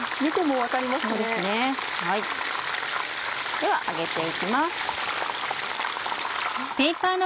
では上げて行きます。